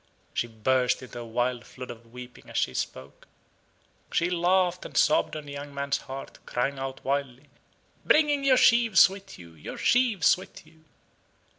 She burst into a wild flood of weeping as she spoke; she laughed and sobbed on the young man's heart, crying out wildly, "bringing your sheaves with you your sheaves with you!"